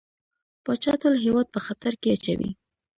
پاچا تل هيواد په خطر کې اچوي .